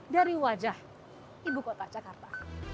dari wajah ibu kota jakarta